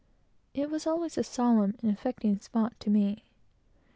It was always a solemn and interesting spot to me.